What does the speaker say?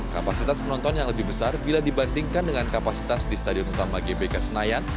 kapasitas penonton yang lebih besar bila dibandingkan dengan kapasitas di stadion utama gbk senayan